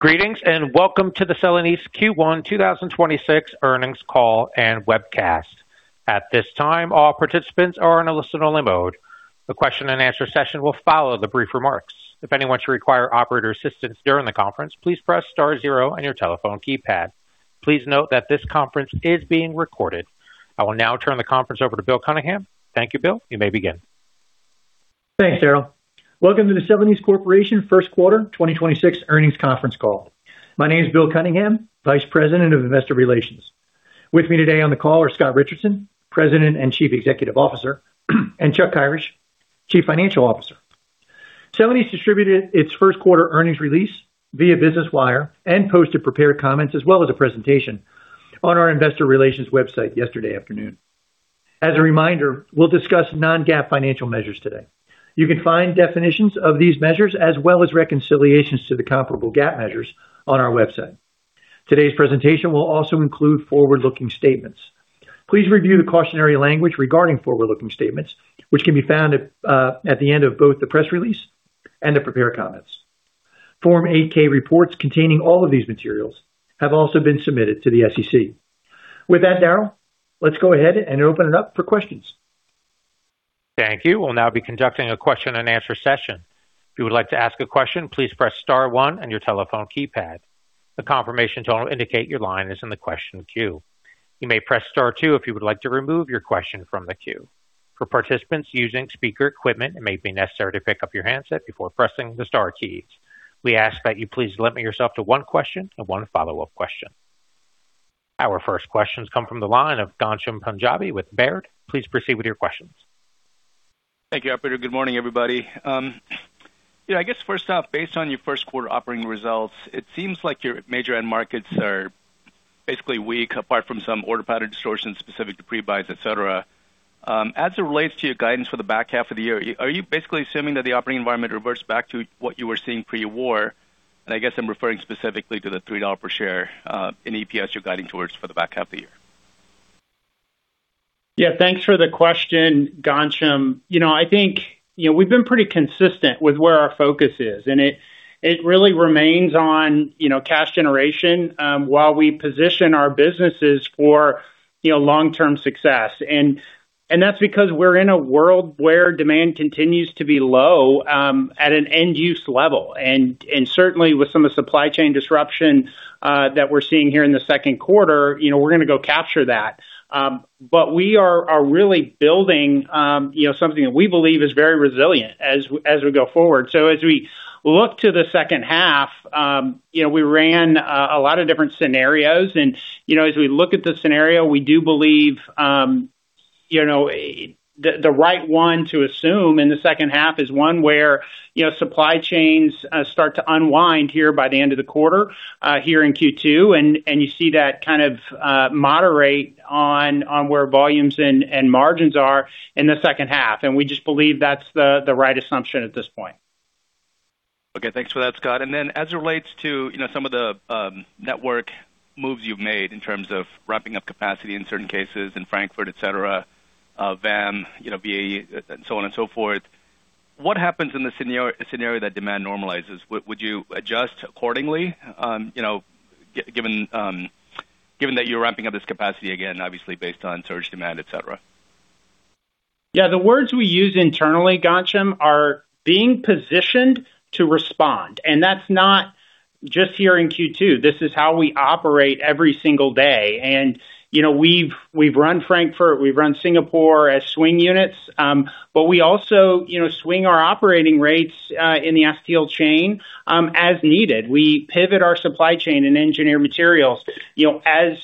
Greetings, and welcome to the Celanese Q1 2026 Earnings Call and webcast. At this time, all participants are in a listen-only mode. A question-and-answer session will follow the brief remarks. If anyone should require operator assistance during the conference, please press star zero on your telephone keypad. Please note that this conference is being recorded. I will now turn the conference over to Bill Cunningham. Thank you, Bill. You may begin. Thanks, Darryl. Welcome to the Celanese Corporation first quarter 2026 earnings conference call. My name is Bill Cunningham, Vice President of Investor Relations. With me today on the call are Scott Richardson, President and Chief Executive Officer, and Chuck Kyrish, Chief Financial Officer. Celanese distributed its first quarter earnings release via Business Wire and posted prepared comments as well as a presentation on our investor relations website yesterday afternoon. As a reminder, we'll discuss non-GAAP financial measures today. You can find definitions of these measures as well as reconciliations to the comparable GAAP measures on our website. Today's presentation will also include forward-looking statements. Please review the cautionary language regarding forward-looking statements, which can be found at the end of both the press release and the prepared comments. Form 8-K reports containing all of these materials have also been submitted to the SEC. With that, Darryl, let's go ahead and open it up for questions. Thank you. We'll now be conducting a question-and-answer session. If you would like to ask a question, please press star one on your telephone keypad. A confirmation tone will indicate your line is in the question queue. You may press star two if you would like to remove your question from the queue. For participants using speaker equipment, it may be necessary to pick up your handset before pressing the star keys. We ask that you please limit yourself to one question and one follow-up question. Our first questions come from the line of Ghansham Panjabi with Baird. Please proceed with your questions. Thank you, operator. Good morning, everybody. You know, I guess first off, based on your first quarter operating results, it seems like your major end markets are basically weak apart from some order pattern distortions specific to pre-buys, et cetera. As it relates to your guidance for the back half of the year, are you basically assuming that the operating environment reverts back to what you were seeing pre-war? I guess I'm referring specifically to the $3 per share in EPS you're guiding towards for the back half of the year. Yeah, thanks for the question, Ghansham. You know, I think, you know, we've been pretty consistent with where our focus is, it really remains on, you know, cash generation, while we position our businesses for, you know, long-term success. That's because we're in a world where demand continues to be low at an end-use level. Certainly with some of the supply chain disruption that we're seeing here in the second quarter, you know, we're gonna go capture that. We are really building, you know, something that we believe is very resilient as we go forward. As we look to the second half, you know, we ran a lot of different scenarios and, you know, as we look at the scenario, we do believe, you know, the right one to assume in the second half is one where, you know, supply chains start to unwind here by the end of the quarter, here in Q2, and you see that kind of moderate on where volumes and margins are in the second half. We just believe that's the right assumption at this point. Okay. Thanks for that, Scott. As it relates to, you know, some of the network moves you've made in terms of ramping up capacity in certain cases in Frankfurt, et cetera, VAM, you know, VAE, and so on and so forth, what happens in the scenario that demand normalizes? Would you adjust accordingly? You know, given that you're ramping up this capacity again, obviously based on surge demand, et cetera. Yeah. The words we use internally, Ghansham, are being positioned to respond, and that's not just here in Q2. This is how we operate every single day. You know, we've run Frankfurt, we've run Singapore as swing units, but we also, you know, swing our operating rates in the acetyl chain as needed. We pivot our supply chain and Engineered Materials, you know, as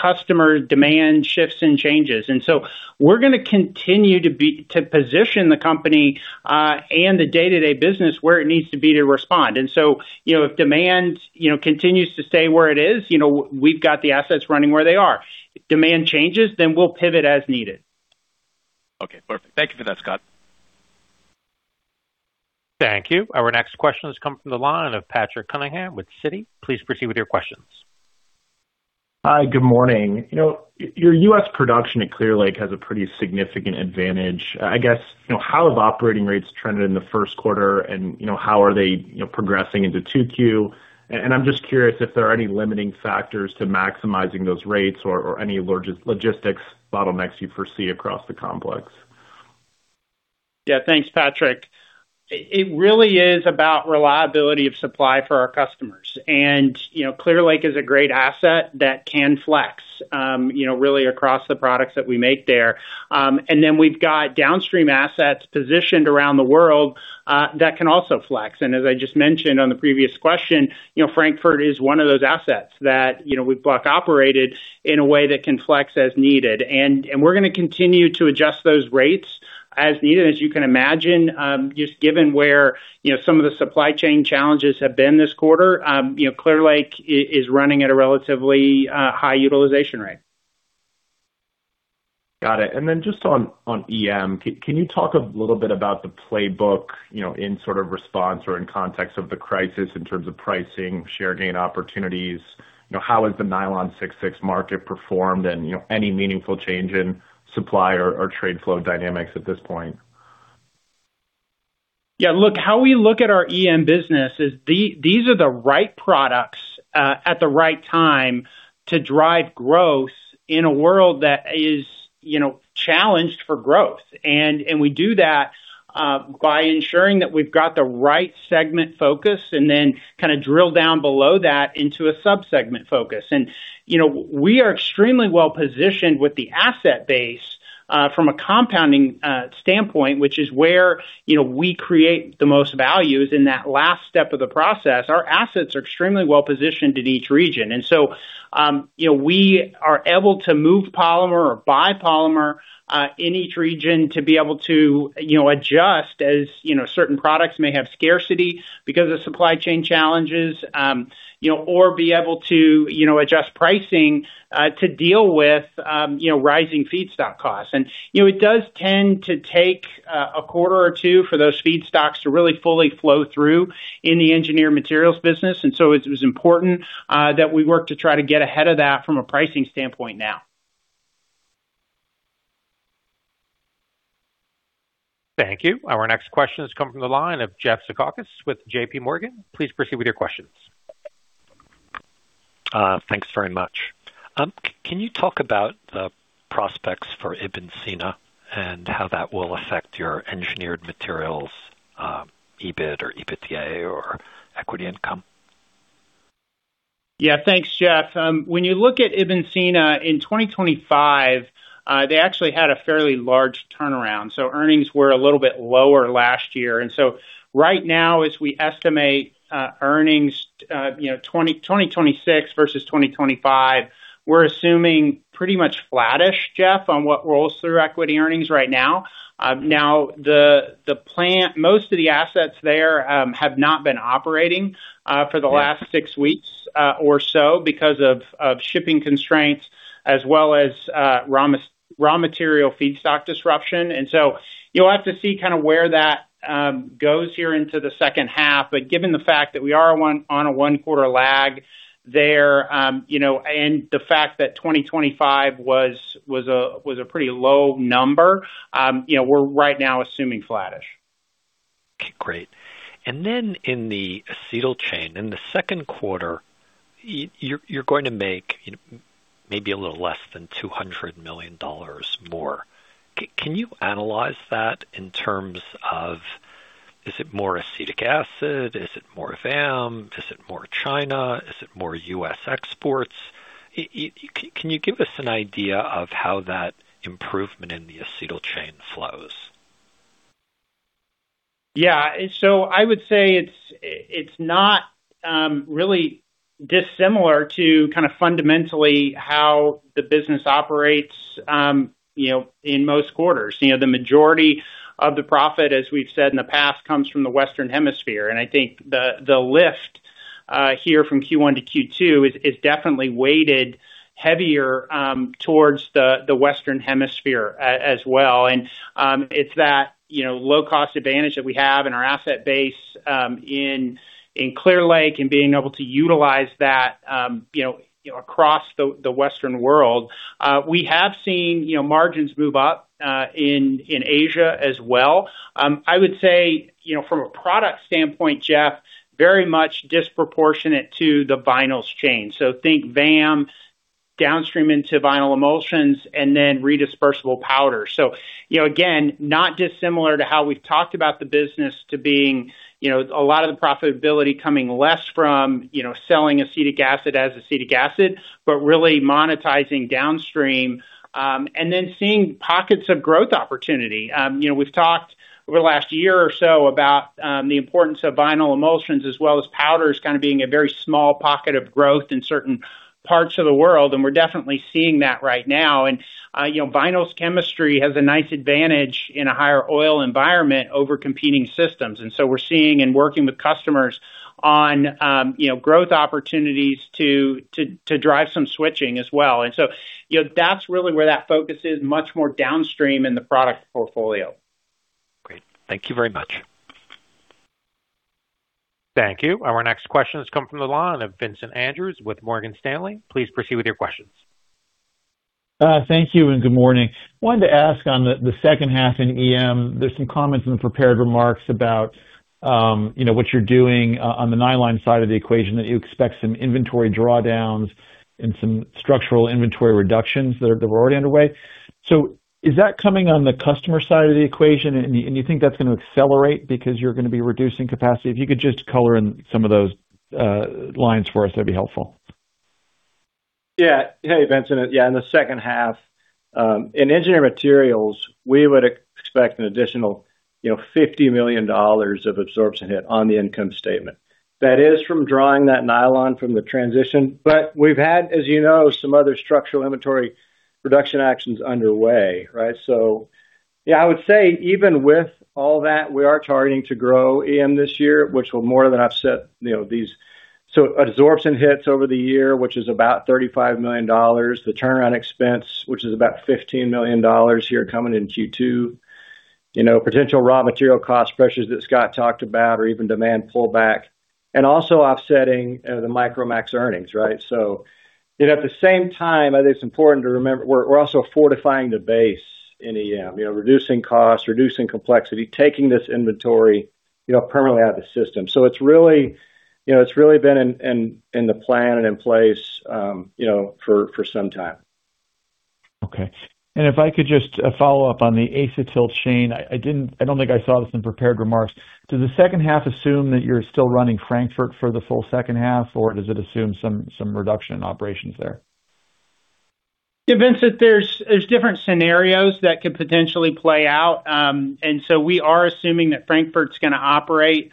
customer demand shifts and changes. We're gonna continue to position the company and the day-to-day business where it needs to be to respond. You know, if demand, you know, continues to stay where it is, you know, we've got the assets running where they are. If demand changes, we'll pivot as needed. Okay. Perfect. Thank you for that, Scott. Thank you. Our next question has come from the line of Patrick Cunningham with Citi. Please proceed with your questions. Hi. Good morning. You know, your U.S. production at Clear Lake has a pretty significant advantage. I guess, you know, how have operating rates trended in the first quarter? You know, how are they, you know, progressing into 2Q? I'm just curious if there are any limiting factors to maximizing those rates or any logistics bottlenecks you foresee across the complex. Yeah. Thanks, Patrick. It really is about reliability of supply for our customers. You know, Clear Lake is a great asset that can flex, you know, really across the products that we make there. Then we've got downstream assets positioned around the world that can also flex. As I just mentioned on the previous question, you know, Frankfurt is one of those assets that, you know, we block operated in a way that can flex as needed. We're gonna continue to adjust those rates as needed. As you can imagine, just given where, you know, some of the supply chain challenges have been this quarter, you know, Clear Lake is running at a relatively high utilization rate. Got it. Then just on EM, can you talk a little bit about the playbook, you know, in sort of response or in context of the crisis in terms of pricing, share gain opportunities? You know, how has the nylon 6,6 market performed? You know, any meaningful change in supply or trade flow dynamics at this point? Yeah, look, how we look at our EM business is these are the right products, at the right time to drive growth in a world that is, you know, challenged for growth. We do that, by ensuring that we've got the right segment focus and then kind of drill down below that into a sub-segment focus. We are extremely well-positioned with the asset base, from a compounding, standpoint, which is where, you know, we create the most values in that last step of the process. Our assets are extremely well-positioned in each region. We are able to move polymer or buy polymer, in each region to be able to, you know, adjust as, you know, certain products may have scarcity because of supply chain challenges. You know, or be able to, you know, adjust pricing, to deal with, you know, rising feedstock costs. It does tend to take a quarter or two for those feedstocks to really fully flow through in the Engineered Materials business. It was important that we work to try to get ahead of that from a pricing standpoint now. Thank you. Our next question is coming from the line of Jeffrey Zekauskas with JPMorgan. Please proceed with your questions. Thanks very much. Can you talk about the prospects for Ibn Sina and how that will affect your Engineered Materials, EBIT or EBITDA or equity income? Yeah, thanks, Jeff. When you look at Ibn Sina, in 2025, they actually had a fairly large turnaround, so earnings were a little bit lower last year. Right now, as we estimate, earnings, 2026 versus 2025, we're assuming pretty much flattish, Jeff, on what rolls through equity earnings right now. Now the plant— Most of the assets there, have not been operating for the last six weeks or so because of shipping constraints as well as raw material feedstock disruption. You'll have to see kind of where that goes here into the second half. Given the fact that we are on a one-quarter lag there, you know, and the fact that 2025 was a pretty low number, you know, we're right now assuming flattish. Okay, great. In the acetyl chain, in the second quarter, you're going to make maybe a little less than $200 million more. Can you analyze that in terms of, is it more acetic acid? Is it more VAM? Is it more China? Is it more U.S. exports? Can you give us an idea of how that improvement in the acetyl chain flows? Yeah. I would say it's not really dissimilar to kind of fundamentally how the business operates, you know, in most quarters. You know, the majority of the profit, as we've said in the past, comes from the Western Hemisphere. I think the lift here from Q1 to Q2 is definitely weighted heavier towards the Western Hemisphere as well. It's that, you know, low-cost advantage that we have in our asset base in Clear Lake and being able to utilize that, you know, across the Western world. We have seen, you know, margins move up in Asia as well. I would say, you know, from a product standpoint, Jeff, very much disproportionate to the vinyl chain. Think VAM downstream into vinyl emulsions and then redispersible powder. Again, not dissimilar to how we've talked about the business to being, a lot of the profitability coming less from selling acetic acid as acetic acid, but really monetizing downstream, and then seeing pockets of growth opportunity. We've talked over the last year or so about the importance of vinyl emulsions as well as powders kind of being a very small pocket of growth in certain parts of the world, and we're definitely seeing that right now. Vinyls chemistry has a nice advantage in a higher oil environment over competing systems. We're seeing and working with customers on growth opportunities to drive some switching as well. That's really where that focus is much more downstream in the product portfolio. Great. Thank you very much. Thank you. Our next question has come from the line of Vincent Andrews with Morgan Stanley. Please proceed with your questions. Thank you and good morning. Wanted to ask on the second half in EM, there's some comments in the prepared remarks about, you know, what you're doing on the nylon side of the equation, that you expect some inventory drawdowns and some structural inventory reductions that are already underway. Is that coming on the customer side of the equation? And you think that's gonna accelerate because you're gonna be reducing capacity? If you could just color in some of those lines for us, that'd be helpful. Yeah. Hey, Vincent. In the second half, in engineered materials, we would expect an additional, you know, $50 million of absorption hit on the income statement. That is from drawing that nylon from the transition. We've had, as you know, some other structural inventory reduction actions underway, right? I would say even with all that, we are targeting to grow EM this year, which will more than offset, you know, these absorption hits over the year, which is about $35 million. The turnaround expense, which is about $15 million here coming in Q2. You know, potential raw material cost pressures that Scott talked about or even demand pullback. Also offsetting the Micromax earnings, right? You know, at the same time, I think it's important to remember we're also fortifying the base in EM. You know, reducing costs, reducing complexity, taking this inventory, you know, permanently out of the system. It's really, you know, it's really been in the plan and in place, you know, for some time. Okay. If I could just follow up on the acetyl chain. I don't think I saw this in prepared remarks. Does the second half assume that you're still running Frankfurt for the full second half, or does it assume some reduction in operations there? Yeah, Vincent, there's different scenarios that could potentially play out. We are assuming that Frankfurt's gonna operate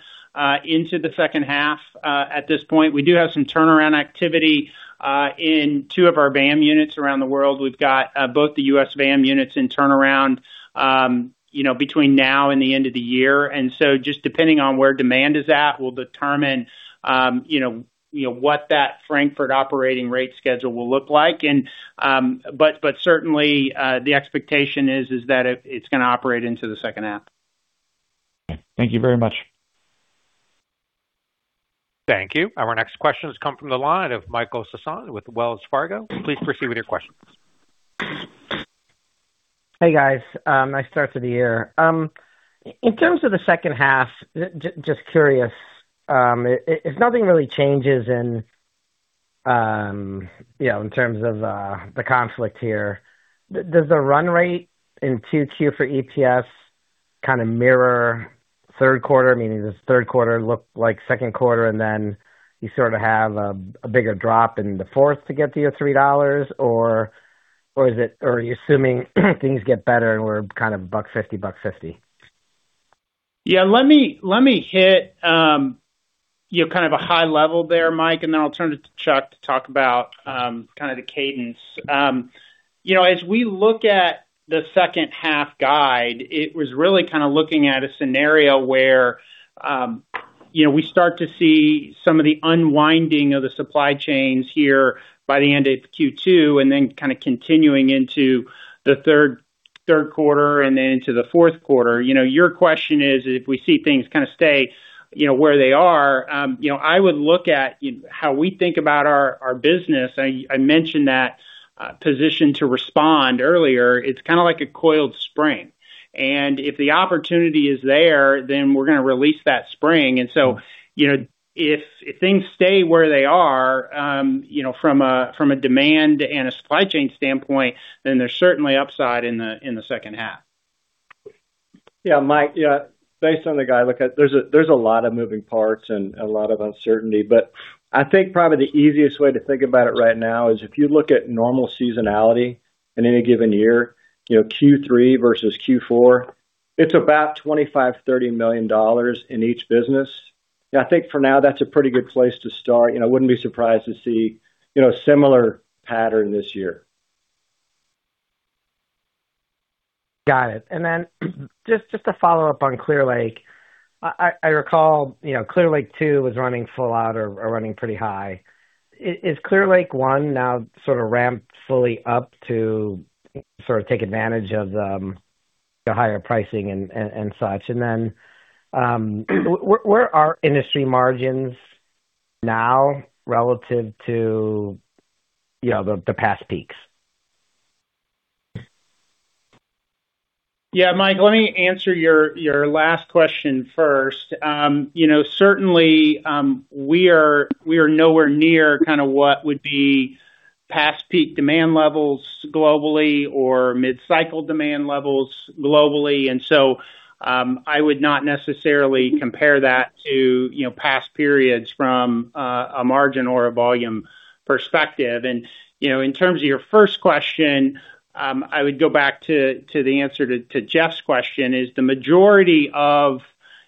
into the second half at this point. We do have some turnaround activity in two of our VAM units around the world. We've got both the U.S. VAM units in turnaround, you know, between now and the end of the year. Just depending on where demand is at will determine, you know, what that Frankfurt operating rate schedule will look like. But certainly, the expectation is it's that it's gonna operate into the second half. Thank you very much. Thank you. Our next question has come from the line of Michael Sison with Wells Fargo. Please proceed with your questions. Hey, guys. Nice start to the year. In terms of the second half, just curious, if nothing really changes in, you know, in terms of the conflict here, does the run rate in 2Q for acetyls kind of mirror third quarter? Meaning does third quarter look like second quarter, and then you sort of have a bigger drop in the fourth to get to your $3? Or are you assuming things get better and we're kind of $1.50, $1.50? Yeah, let me, let me hit, you know, kind of a high level there, Mike, and then I'll turn it to Chuck to talk about kind of the cadence. You know, as we look at the second half guide, it was really kind of looking at a scenario where, you know, we start to see some of the unwinding of the supply chains here by the end of Q2, and then kind of continuing into the third quarter and then into the fourth quarter. You know, your question is, if we see things kind of stay, you know, where they are, you know, I would look at how we think about our business. I mentioned that position to respond earlier. It's kind of like a coiled spring. If the opportunity is there, then we're gonna release that spring. You know, if things stay where they are, you know, from a, from a demand and a supply chain standpoint, then there's certainly upside in the, in the second half. Yeah, Mike, yeah, based on the guide, look, there's a lot of moving parts and a lot of uncertainty. I think probably the easiest way to think about it right now is if you look at normal seasonality in any given year, you know, Q3 versus Q4, it's about $25 million-$30 million in each business. I think for now, that's a pretty good place to start. You know, I wouldn't be surprised to see, you know, similar pattern this year. Got it. Just to follow up on Clear Lake. I recall, you know, Clear Lake 2 was running full out or running pretty high. Is Clear Lake 1 now sort of ramped fully up to sort of take advantage of the higher pricing and such? Where are industry margins now relative to, you know, the past peaks? Yeah, Mike, let me answer your last question first. you know, certainly, we are nowhere near kind of what would be past peak demand levels globally or mid-cycle demand levels globally. I would not necessarily compare that to, you know, past periods from a margin or a volume perspective. You know, in terms of your first question, I would go back to the answer to Jeff's question, is the majority of,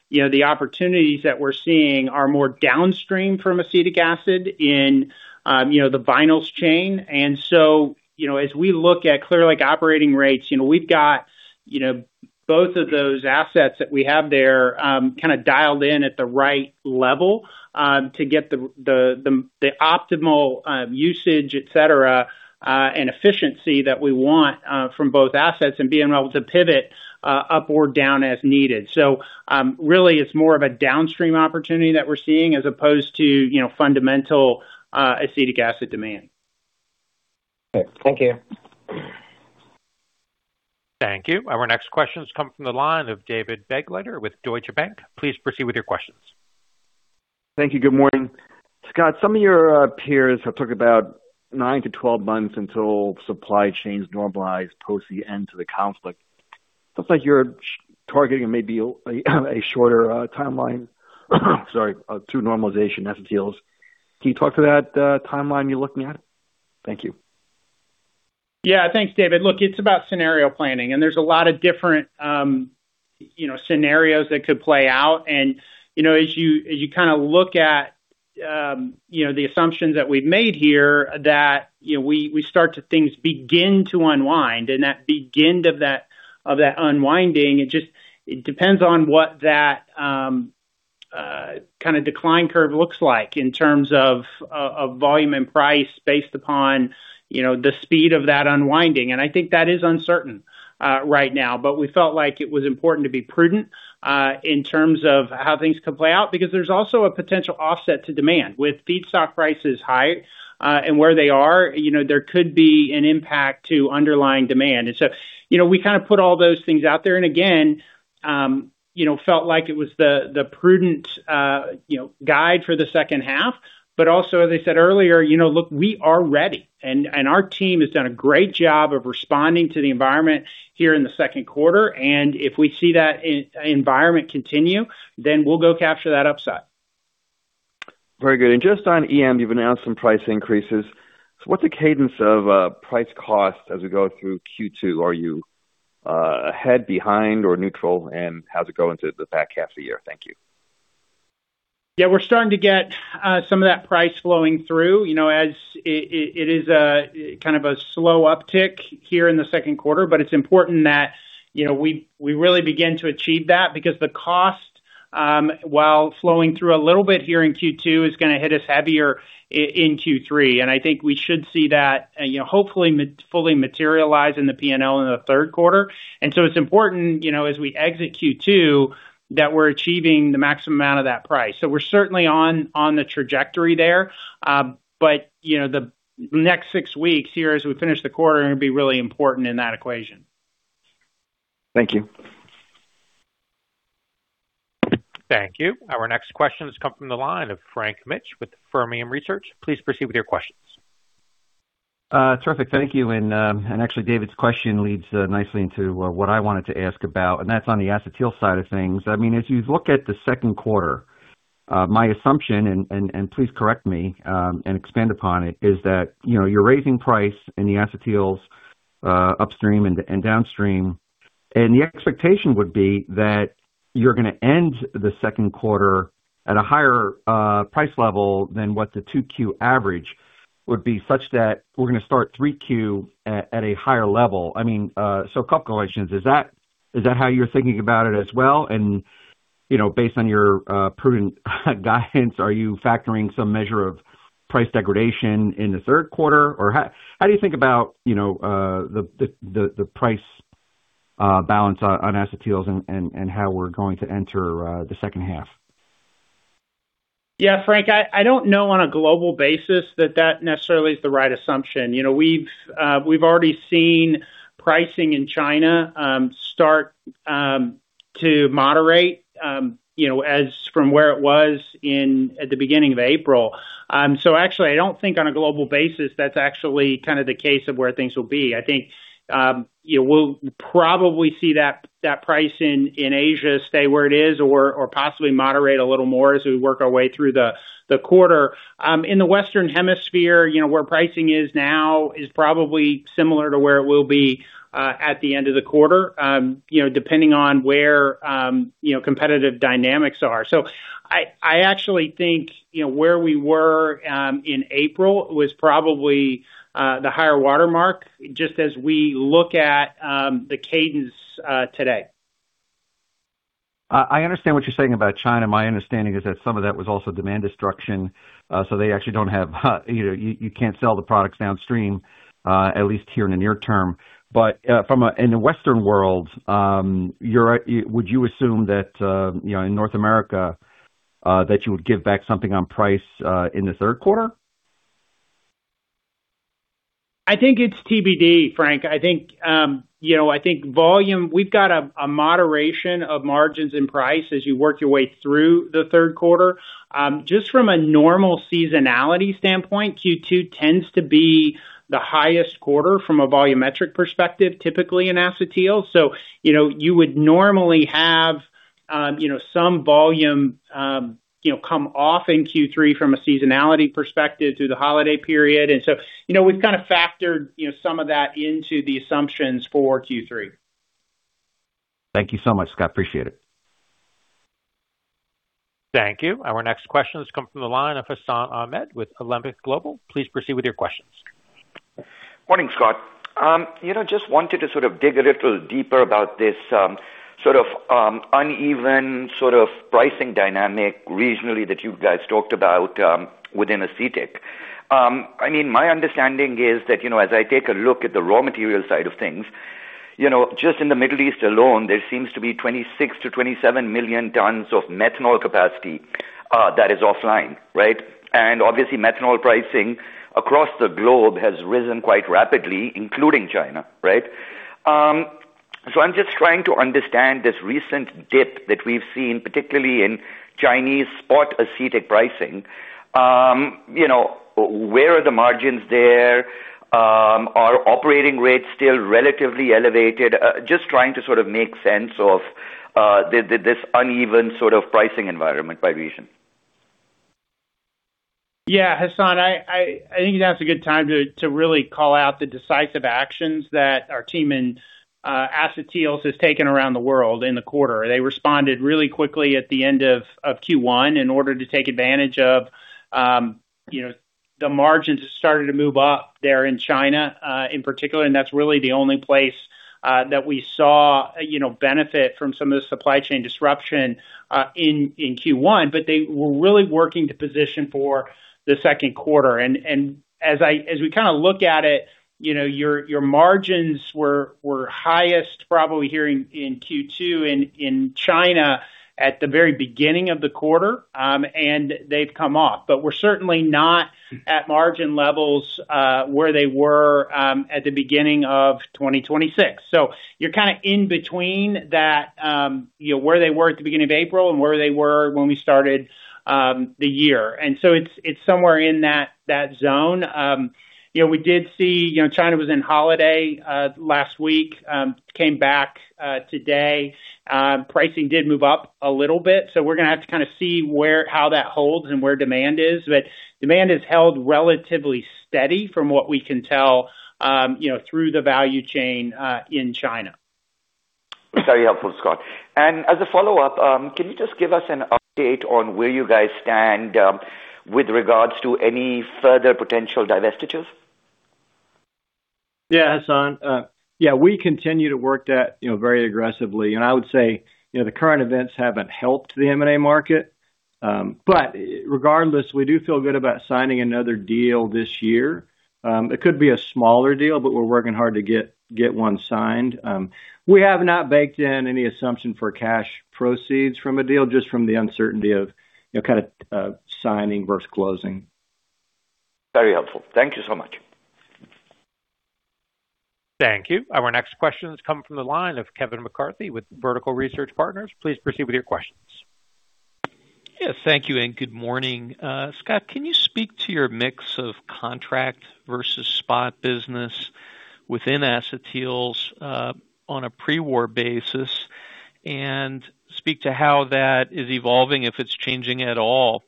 you know, the opportunities that we're seeing are more downstream from acetic acid in, you know, the vinyls chain. You know, as we look at Clear Lake operating rates, you know, we've got, you know, both of those assets that we have there, kind of dialed in at the right level, to get the optimal usage, et cetera, and efficiency that we want from both assets and being able to pivot up or down as needed. Really it's more of a downstream opportunity that we're seeing as opposed to, you know, fundamental acetic acid demand. Okay. Thank you. Thank you. Our next question has come from the line of David Begleiter with Deutsche Bank. Please proceed with your questions. Thank you. Good morning. Scott, some of your peers have talked about nine to 12 months until supply chains normalize post the end to the conflict. Looks like you're targeting maybe a shorter timeline, sorry, to normalization acetyls. Can you talk to that timeline you're looking at? Thank you. Yeah. Thanks, David. Look, it's about scenario planning, and there's a lot of different, you know, scenarios that could play out. You know, as you kind of look at, you know, the assumptions that we've made here that, you know, things begin to unwind, and that unwinding, it depends on what that kind of decline curve looks like in terms of volume and price based upon, you know, the speed of that unwinding. I think that is uncertain right now. We felt like it was important to be prudent in terms of how things could play out, because there's also a potential offset to demand. With feedstock prices high and where they are, you know, there could be an impact to underlying demand. You know, we kind of put all those things out there, and again, you know, felt like it was the prudent, you know, guide for the second half. Also, as I said earlier, you know, look, we are ready. Our team has done a great job of responding to the environment here in the second quarter. If we see that environment continue, then we'll go capture that upside. Very good. Just on EM, you've announced some price increases. What's the cadence of price cost as we go through Q2? Are you ahead, behind, or neutral? How does it go into the back half of the year? Thank you. Yeah, we're starting to get some of that price flowing through. You know, as it is a kind of a slow uptick here in the second quarter, but it's important that, you know, we really begin to achieve that because the cost, while flowing through a little bit here in Q2, is gonna hit us heavier in Q3. I think we should see that, you know, hopefully fully materialize in the P&L in the third quarter. It's important, you know, as we exit Q2, that we're achieving the maximum amount of that price. We're certainly on the trajectory there. But, you know, the next six weeks here as we finish the quarter are gonna be really important in that equation. Thank you. Thank you. Our next question has come from the line of Frank Mitsch with Fermium Research. Please proceed with your questions. Terrific. Thank you. Actually David's question leads nicely into what I wanted to ask about, and that's on the acetyl side of things. I mean, as you look at the second quarter, my assumption, and please correct me, and expand upon it, is that, you know, you're raising price in the acetyls, upstream and downstream. The expectation would be that you're gonna end the second quarter at a higher price level than what the 2Q average would be such that we're gonna start 3Q at a higher level. I mean, so a couple questions. Is that how you're thinking about it as well? You know, based on your prudent guidance, are you factoring some measure of price degradation in the third quarter? How do you think about, you know, the price balance on acetyls and how we're going to enter the second half? Yeah, Frank, I don't know on a global basis that that necessarily is the right assumption. You know, we've already seen pricing in China start to moderate, you know, as from where it was in at the beginning of April. Actually, I don't think on a global basis that's actually kind of the case of where things will be. I think, you know, we'll probably see that price in Asia stay where it is or possibly moderate a little more as we work our way through the quarter. In the Western Hemisphere, you know, where pricing is now is probably similar to where it will be at the end of the quarter, you know, depending on where, you know, competitive dynamics are. I actually think, you know, where we were in April was probably the higher watermark, just as we look at the cadence today. I understand what you're saying about China. My understanding is that some of that was also demand destruction. So they actually don't have, you know, you can't sell the products downstream, at least here in the near term. In the Western world, would you assume that, you know, in North America, that you would give back something on price in the third quarter? I think it's TBD, Frank. I think, you know, I think we've got a moderation of margins in price as you work your way through the third quarter. Just from a normal seasonality standpoint, Q2 tends to be the highest quarter from a volumetric perspective, typically in acetyl. You know, you would normally have, you know, some volume, you know, come off in Q3 from a seasonality perspective through the holiday period. You know, we've kind of factored, you know, some of that into the assumptions for Q3. Thank you so much, Scott. Appreciate it. Thank you. Our next question has come from the line of Hassan Ahmed with Alembic Global. Please proceed with your questions. Morning, Scott. You know, just wanted to sort of dig a little deeper about this uneven sort of pricing dynamic regionally that you guys talked about within acetyls. I mean, my understanding is that, you know, as I take a look at the raw material side of things, you know, just in the Middle East alone, there seems to be 26 million-27 million tons of methanol capacity that is offline, right? Obviously, methanol pricing across the globe has risen quite rapidly, including China, right? I'm just trying to understand this recent dip that we've seen, particularly in Chinese spot acetic pricing. You know, where are the margins there? Are operating rates still relatively elevated? Just trying to sort of make sense of this uneven sort of pricing environment by region. Yeah, Hassan, I think now is a good time to really call out the decisive actions that our team in acetyls has taken around the world in the quarter. They responded really quickly at the end of Q1 in order to take advantage of, you know, the margins started to move up there in China in particular, and that's really the only place that we saw, you know, benefit from some of the supply chain disruption in Q1, but they were really working to position for the second quarter. As we kind of look at it, you know, your margins were highest probably here in Q2 in China at the very beginning of the quarter, and they've come off. We're certainly not at margin levels where they were at the beginning of 2026. You're kind of in between that, you know, where they were at the beginning of April and where they were when we started the year. It's somewhere in that zone. You know, we did see, you know, China was in holiday last week, came back today. Pricing did move up a little bit, so we're gonna have to kind of see how that holds and where demand is. Demand has held relatively steady from what we can tell, you know, through the value chain in China. Very helpful, Scott. As a follow-up, can you just give us an update on where you guys stand with regards to any further potential divestitures? Yeah, Hassan. Yeah, we continue to work that, you know, very aggressively. I would say, you know, the current events haven't helped the M&A market. Regardless, we do feel good about signing another deal this year. It could be a smaller deal, but we're working hard to get one signed. We have not baked in any assumption for cash proceeds from a deal, just from the uncertainty of, you know, kind of, signing versus closing. Very helpful. Thank you so much. Thank you. Our next question is coming from the line of Kevin McCarthy with Vertical Research Partners. Please proceed with your questions. Yeah. Thank you, and good morning. Scott, can you speak to your mix of contract versus spot business within acetyls on a pre-war basis? Speak to how that is evolving, if it's changing at all,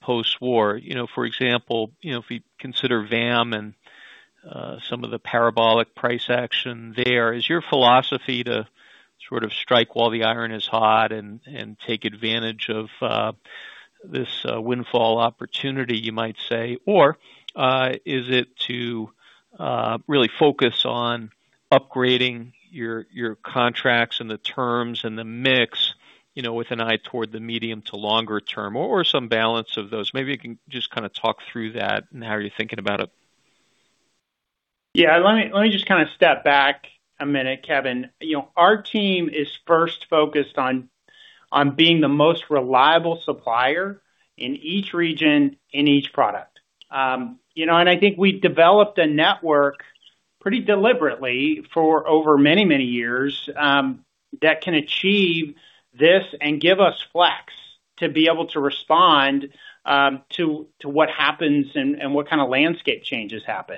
post-war. You know, for example, you know, if you consider VAM and some of the parabolic price action there, is your philosophy to sort of strike while the iron is hot and take advantage of this windfall opportunity, you might say? Or, is it to really focus on upgrading your contracts and the terms and the mix, you know, with an eye toward the medium to longer term or some balance of those? Maybe you can just kind of talk through that and how you're thinking about it. Yeah. Let me just kind of step back a minute, Kevin. You know, our team is first focused on being the most reliable supplier in each region in each product. You know, I think we've developed a network pretty deliberately for over many years that can achieve this and give us flex to be able to respond to what happens and what kind of landscape changes happen.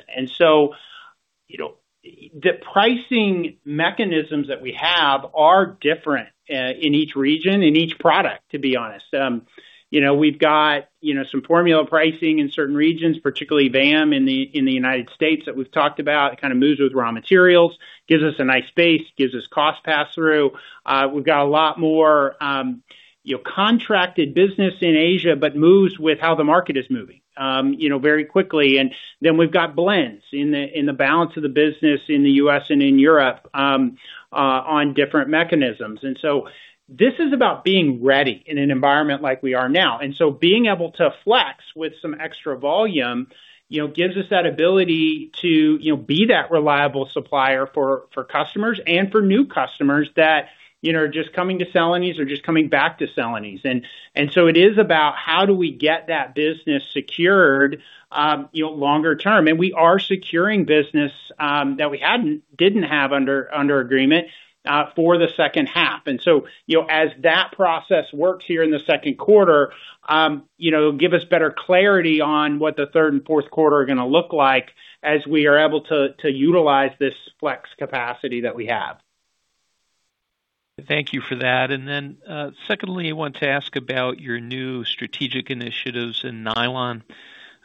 You know, the pricing mechanisms that we have are different in each region, in each product, to be honest. You know, we've got some formula pricing in certain regions, particularly VAM in the United States that we've talked about. It kind of moves with raw materials, gives us a nice base, gives us cost pass-through. We've got a lot more, you know, contracted business in Asia, but moves with how the market is moving, you know, very quickly. We've got blends in the, in the balance of the business in the U.S. and in Europe on different mechanisms. This is about being ready in an environment like we are now. Being able to flex with some extra volume, you know, gives us that ability to, you know, be that reliable supplier for customers and for new customers that, you know, are just coming to Celanese or just coming back to Celanese. It is about how do we get that business secured, you know, longer term. We are securing business that we didn't have under agreement for the second half. You know, as that process works here in the second quarter, you know, give us better clarity on what the third and fourth quarter are going to look like as we are able to utilize this flex capacity that we have. Thank you for that. Then, secondly, I wanted to ask about your new strategic initiatives in nylon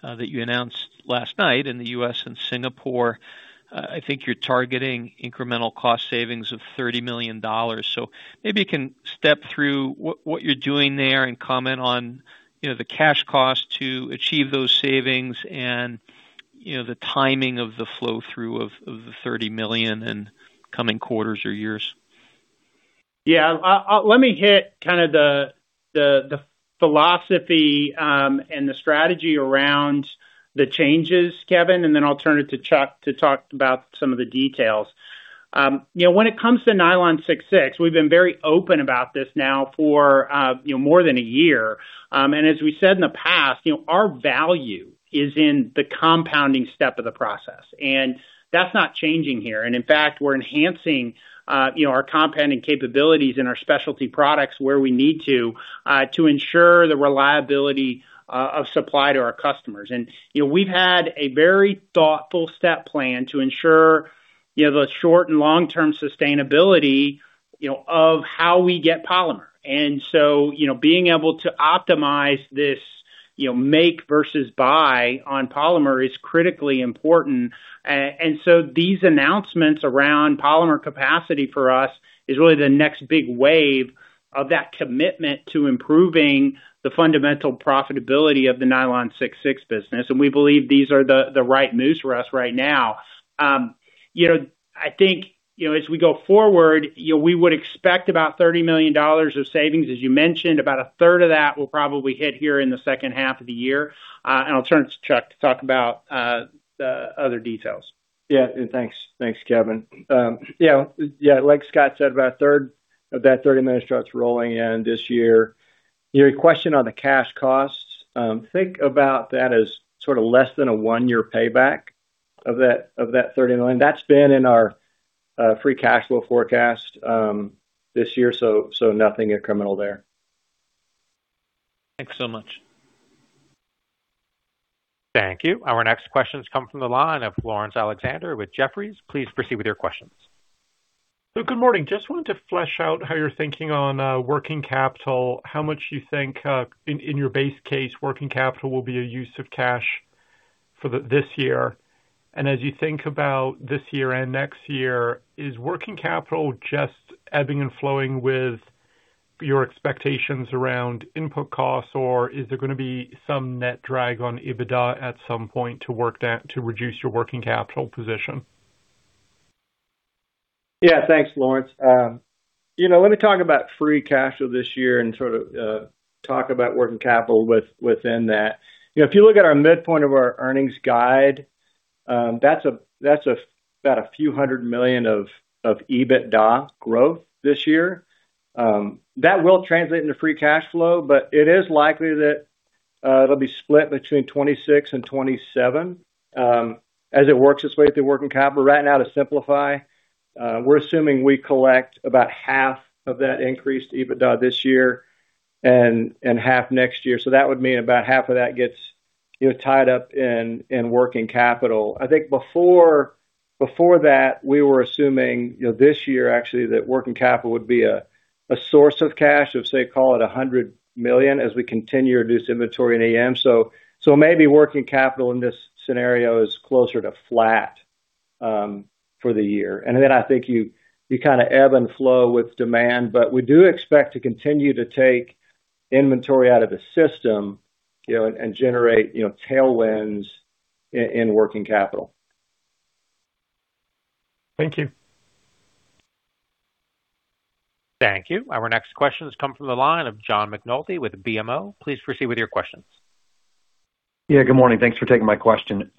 that you announced last night in the U.S. and Singapore. I think you're targeting incremental cost savings of $30 million. Maybe you can step through what you're doing there and comment on, you know, the cash cost to achieve those savings and, you know, the timing of the flow-through of the $30 million in coming quarters or years. Yeah. Let me hit kind of the, the philosophy, and the strategy around the changes, Kevin, and then I'll turn it to Chuck to talk about some of the details. You know, when it comes to nylon 6,6, we've been very open about this now for, you know, more than a year. As we said in the past, you know, our value is in the compounding step of the process, and that's not changing here. In fact, we're enhancing, you know, our compounding capabilities in our specialty products where we need to ensure the reliability, of supply to our customers. You know, we've had a very thoughtful step plan to ensure, you know, the short and long-term sustainability, you know, of how we get polymer. Being able to optimize this make versus buy on polymer is critically important. These announcements around polymer capacity for us is really the next big wave of that commitment to improving the fundamental profitability of the nylon 6,6 business, and we believe these are the right moves for us right now. I think as we go forward, we would expect about $30 million of savings, as you mentioned. About 1/3 of that will probably hit here in the second half of the year. I'll turn to Chuck to talk about the other details. Thanks. Thanks, Kevin. Yeah, yeah. Like Scott said, about 1/3 of that $30 million starts rolling in this year. Your question on the cash costs, think about that as sort of less than a one-year payback of that, of that $30 million. That's been in our free cash flow forecast this year. Nothing incremental there. Thanks so much. Thank you. Our next question has come from the line of Laurence Alexander with Jefferies. Please proceed with your questions. Good morning. Just wanted to flesh out how you're thinking on working capital, how much you think in your base case working capital will be a use of cash for this year. As you think about this year and next year, is working capital just ebbing and flowing with your expectations around input costs, or is there gonna be some net drag on EBITDA at some point to reduce your working capital position? Thanks, Laurence. you know, let me talk about free cash flow this year and sort of talk about working capital within that. You know, if you look at our midpoint of our earnings guide, that's about a few hundred million of EBITDA growth this year. That will translate into free cash flow, but it is likely that it'll be split between 2026 and 2027 as it works its way through working capital. Right now, to simplify, we're assuming we collect about 1/2 of that increased EBITDA this year and 1/2 next year. That would mean about 1/2 of that gets, you know, tied up in working capital. I think before that, we were assuming, you know, this year actually, that working capital would be a source of cash of, say, call it $100 million as we continue to reduce inventory in EM. Maybe working capital in this scenario is closer to flat for the year. I think you kinda ebb and flow with demand. We do expect to continue to take inventory out of the system, you know, and generate, you know, tailwinds in working capital. Thank you. Thank you. Our next question has come from the line of John McNulty with BMO. Please proceed with your questions. Yeah, good morning. Thanks for taking my question.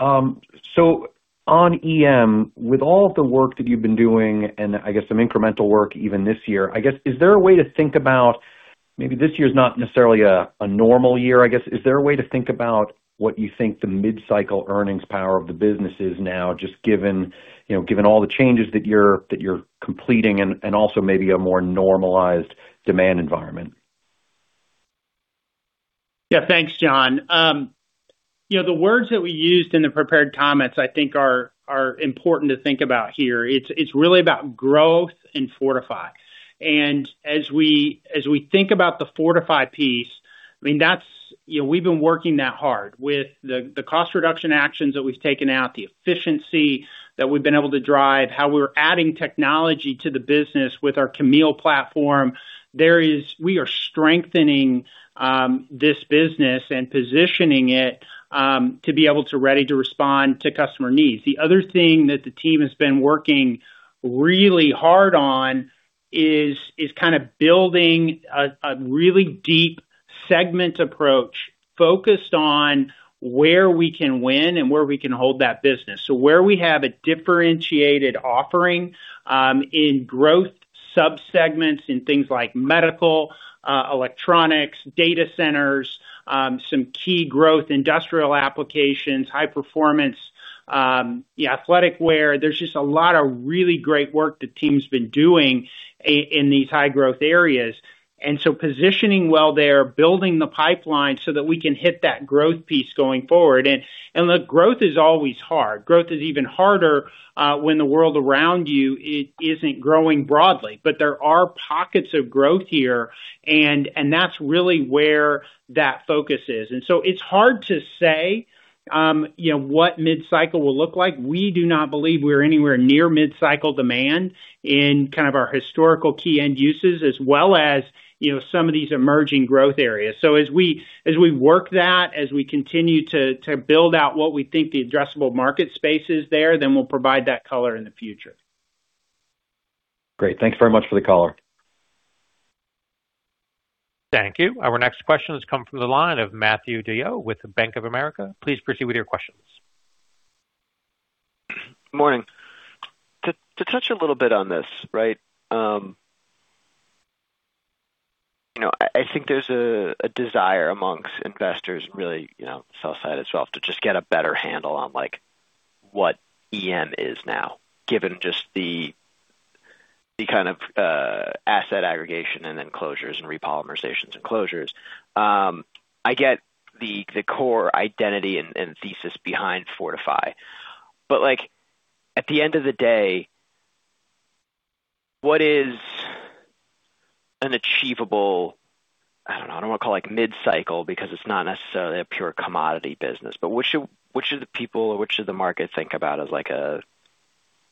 On EM, with all of the work that you've been doing, and I guess some incremental work even this year, I guess, Maybe this year is not necessarily a normal year, I guess. Is there a way to think about what you think the mid-cycle earnings power of the business is now, just given, you know, given all the changes that you're completing and also maybe a more normalized demand environment? Yeah. Thanks, John. You know, the words that we used in the prepared comments, I think are important to think about here. It's really about Growth and Fortify. As we think about the Fortify piece, I mean, that's, you know, we've been working that hard with the cost reduction actions that we've taken out, the efficiency that we've been able to drive, how we're adding technology to the business with our [Chemille] platform. We are strengthening this business and positioning it to be able to ready to respond to customer needs. The other thing that the team has been working really hard on is kinda building a really deep segment approach focused on where we can win and where we can hold that business. Where we have a differentiated offering, in growth sub-segments, in things like medical, electronics, data centers, some key growth industrial applications, high performance, athletic wear. There's just a lot of really great work the team's been doing in these high growth areas. Positioning well there, building the pipeline so that we can hit that growth piece going forward. Look, growth is always hard. Growth is even harder when the world around you isn't growing broadly. There are pockets of growth here, that's really where that focus is. It's hard to say, you know, what mid-cycle will look like. We do not believe we're anywhere near mid-cycle demand in kind of our historical key end uses as well as, you know, some of these emerging growth areas. As we work that, as we continue to build out what we think the addressable market space is there, we'll provide that color in the future. Great. Thanks very much for the color. Thank you. Our next question has come from the line of Matthew DeYoe with Bank of America. Please proceed with your questions. Morning. To touch a little bit on this, right, you know, I think there's a desire amongst investors really, you know, sell side as well, to just get a better handle on, like, what EM is now, given just the kind of asset aggregation and closures and repolymerizations and closures. I get the core identity and thesis behind Fortify. Like, at the end of the day, what is an achievable, I don't know, I don't want to call it, like, mid-cycle because it's not necessarily a pure commodity business. What should the people or what should the market think about as, like, a,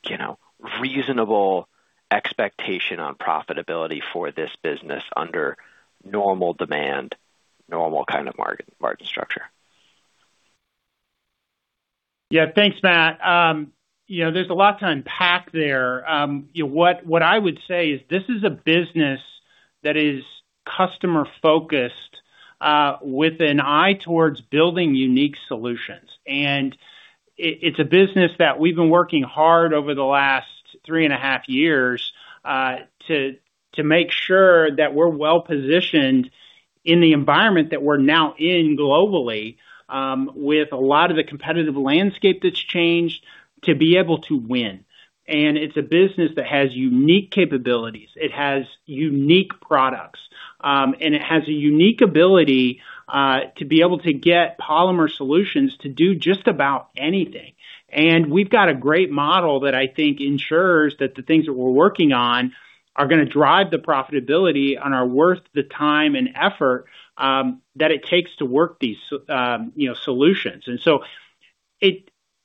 you know, reasonable expectation on profitability for this business under normal demand, normal kind of margin structure? Yeah. Thanks, Matt. You know, there's a lot to unpack there. You know, what I would say is this is a business that is customer-focused, with an eye towards building unique solutions. It's a business that we've been working hard over the last three and a half years, to make sure that we're well-positioned in the environment that we're now in globally, with a lot of the competitive landscape that's changed to be able to win. It's a business that has unique capabilities. It has unique products, and it has a unique ability to be able to get polymer solutions to do just about anything. We've got a great model that I think ensures that the things that we're working on are gonna drive the profitability and are worth the time and effort that it takes to work these, you know, solutions.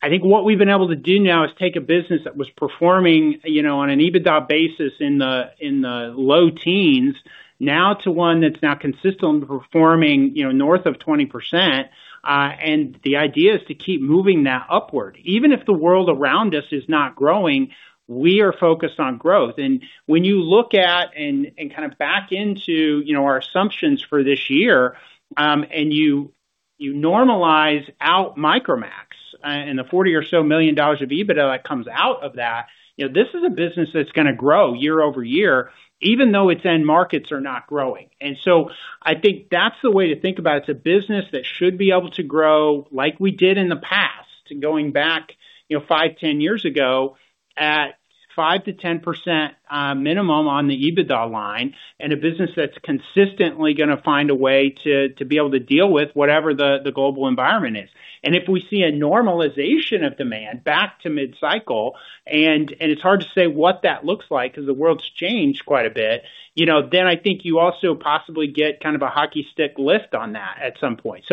I think what we've been able to do now is take a business that was performing, you know, on an EBITDA basis in the low teens now to one that's now consistently performing, you know, north of 20%. The idea is to keep moving that upward. Even if the world around us is not growing, we are focused on growth. When you look at and kind of back into, you know, our assumptions for this year, you normalize out Micromax and the $40 million or so of EBITDA that comes out of that, you know, this is a business that's gonna grow year-over-year, even though its end markets are not growing. I think that's the way to think about. It's a business that should be able to grow like we did in the past, going back you know, five, 10 years ago, at 5%-10% minimum on the EBITDA line, and a business that's consistently gonna find a way to be able to deal with whatever the global environment is. If we see a normalization of demand back to mid-cycle, and it's hard to say what that looks like because the world's changed quite a bit, you know, then I think you also possibly get kind of a hockey stick lift on that at some point.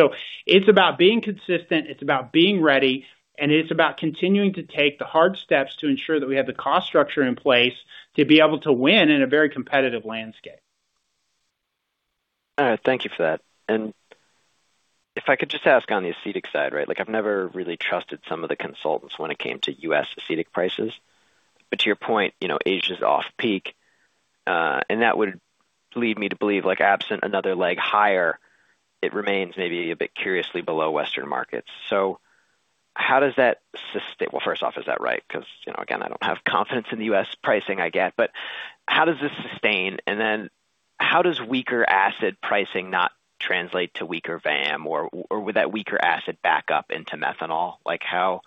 It's about being consistent, it's about being ready, and it's about continuing to take the hard steps to ensure that we have the cost structure in place to be able to win in a very competitive landscape. All right. Thank you for that. If I could just ask on the acetic side, right? Like, I've never really trusted some of the consultants when it came to U.S. acetic prices. To your point, you know, Asia's off-peak, and that would lead me to believe, like, absent another leg higher, it remains maybe a bit curiously below Western markets. How does that, well, first off, is that right? You know, again, I don't have confidence in the U.S. pricing I get. How does this sustain, and then how does weaker acid pricing not translate to weaker VAM or would that weaker acid back up into methanol? Like how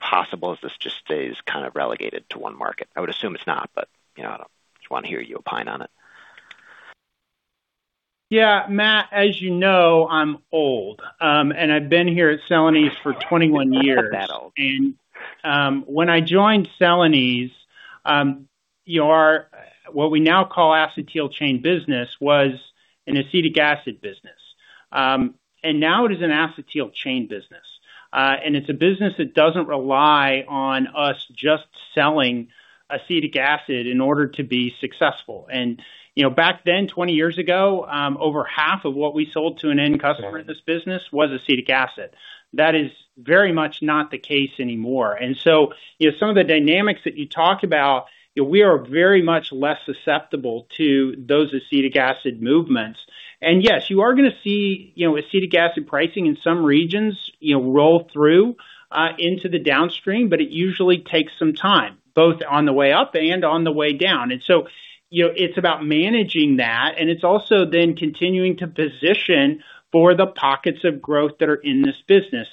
possible is this just stays kind of relegated to one market? I would assume it's not, but, you know, Just wanna hear you opine on it. Yeah. Matt, as you know, I'm old. I've been here at Celanese for 21 years. You're not that old. When I joined Celanese, what we now call Acetyl Chain business was an acetic acid business. Now it is an Acetyl Chain business. It's a business that doesn't rely on us just selling acetic acid in order to be successful. You know, back then, 20 years ago, over 1/2 of what we sold to an end customer in this business was acetic acid. That is very much not the case anymore. You know, some of the dynamics that you talked about, you know, we are very much less susceptible to those acetic acid movements. Yes, you are gonna see, you know, acetic acid pricing in some regions, you know, roll through into the downstream, but it usually takes some time, both on the way up and on the way down. You know, it's about managing that, and it's also then continuing to position for the pockets of growth that are in this business.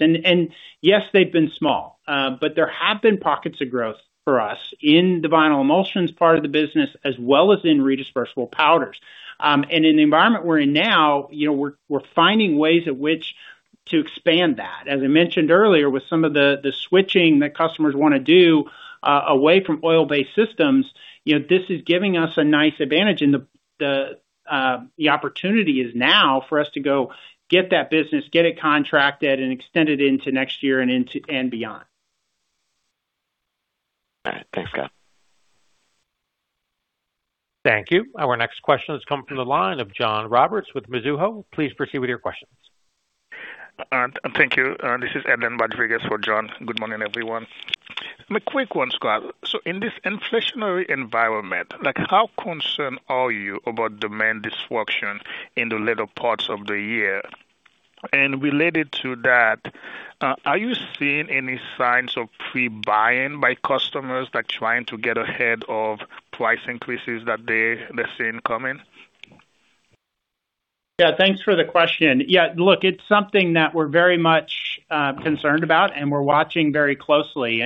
Yes, they've been small, but there have been pockets of growth for us in the vinyl emulsions part of the business as well as in redispersible powders. In the environment we're in now, you know, we're finding ways at which to expand that. As I mentioned earlier, with some of the switching that customers wanna do, away from oil-based systems, you know, this is giving us a nice advantage and the opportunity is now for us to go get that business, get it contracted, and extend it into next year and beyond. All right. Thanks, Scott. Thank you. Our next question is coming from the line of John Roberts with Mizuho. Please proceed with your questions. Thank you. This is Edlain Rodriguez for John. Good morning, everyone. A quick one, Scott. In this inflationary environment, like, how concerned are you about demand disruption in the latter parts of the year? Related to that, are you seeing any signs of pre-buying by customers that trying to get ahead of price increases that they're seeing coming? Thanks for the question. Look, it's something that we're very much concerned about, and we're watching very closely.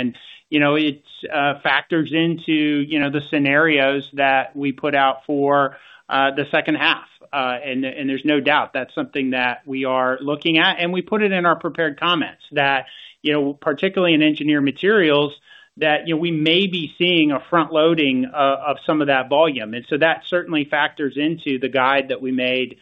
You know, it factors into, you know, the scenarios that we put out for the second half. And there's no doubt that's something that we are looking at, and we put it in our prepared comments that, you know, particularly in Engineered Materials, that, you know, we may be seeing a front-loading of some of that volume. That certainly factors into the guide that we made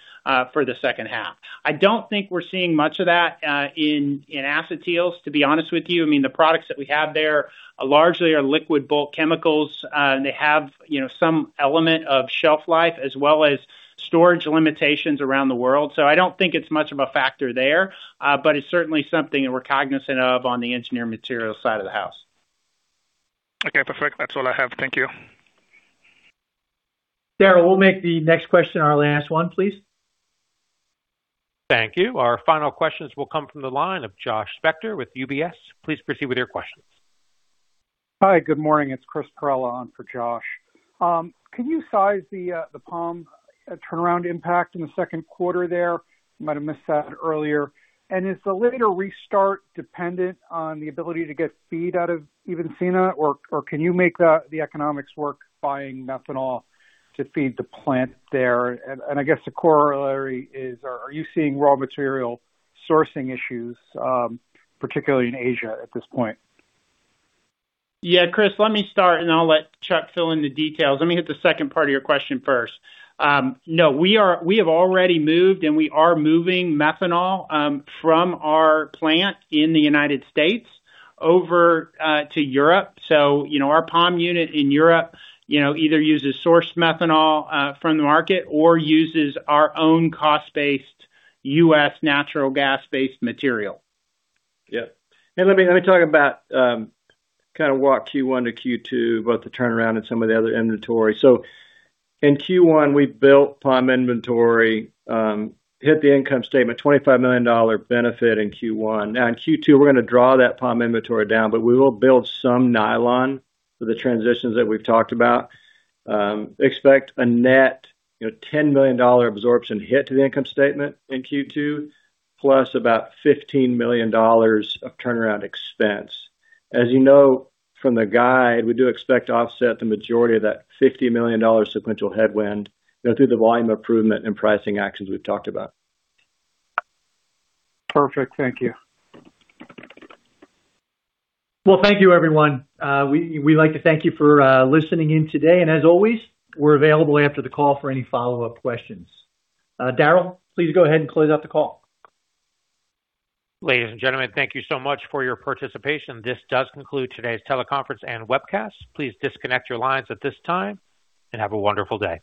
for the second half. I don't think we're seeing much of that in acetyls, to be honest with you. I mean, the products that we have there largely are liquid bulk chemicals. They have, you know, some element of shelf life as well as storage limitations around the world. I don't think it's much of a factor there, but it's certainly something that we're cognizant of on the Engineered Materials side of the house. Okay, perfect. That's all I have. Thank you. Darryl, we'll make the next question our last one, please. Thank you. Our final questions will come from the line of Joshua Spector with UBS. Please proceed with your questions. Hi, good morning. It's Chris Perrella on for Josh. Can you size the POM turnaround impact in the second quarter there? Might have missed that earlier. Is the later restart dependent on the ability to get feed out of Ibn Sina? Can you make the economics work buying methanol to feed the plant there? I guess the corollary is, are you seeing raw material sourcing issues particularly in Asia at this point? Yeah, Chris, let me start and I'll let Chuck fill in the details. Let me hit the second part of your question first. No. We have already moved, and we are moving methanol from our plant in the United States over to Europe. You know, our POM unit in Europe, you know, either uses sourced methanol from the market or uses our own cost-based U.S. natural gas-based material. Yeah. Let me talk about kinda what Q1 to Q2, both the turnaround and some of the other inventory. In Q1, we built POM inventory, hit the income statement, $25 million benefit in Q1. Now in Q2, we're gonna draw that POM inventory down, but we will build some nylon for the transitions that we've talked about. Expect a net, you know, $10 million absorption hit to the income statement in Q2, plus about $15 million of turnaround expense. As you know from the guide, we do expect to offset the majority of that $50 million sequential headwind, you know, through the volume improvement and pricing actions we've talked about. Perfect. Thank you. Well, thank you, everyone. We'd like to thank you for listening in today. As always, we're available after the call for any follow-up questions. Darryl, please go ahead and close out the call. Ladies and gentlemen, thank you so much for your participation. This does conclude today's teleconference and webcast. Please disconnect your lines at this time, and have a wonderful day.